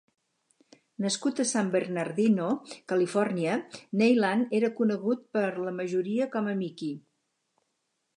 Nascut a San Bernardino, Califòrnia, Neilan era conegut per la majoria com a Mickey.